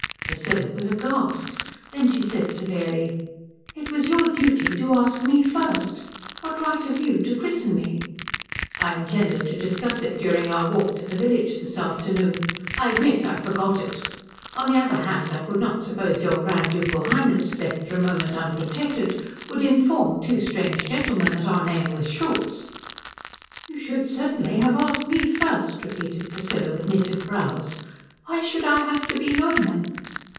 Priscilla was aghast. Then she said severely, "It was your duty to ask me first. What right have you to christen me?" "I intended to discuss it during our walk to the village this afternoon. I admit I forgot it. On the other hand I could not suppose your Grand Ducal Highness, left for a moment unprotected, would inform two strange gentlemen that our name was Schultz." "You should certainly have asked me first," repeated Priscilla with knitted brows. "Why should I have to be Neumann?"